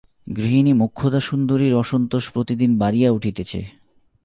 গৃহিণী মোক্ষদাসুন্দরীর অসন্তোষ প্রতিদিন বাড়িয়া উঠিতেছে।